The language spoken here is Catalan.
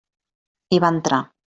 Hi va entrar.